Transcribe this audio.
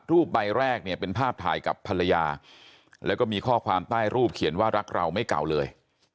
ใบแรกเนี่ยเป็นภาพถ่ายกับภรรยาแล้วก็มีข้อความใต้รูปเขียนว่ารักเราไม่เก่าเลย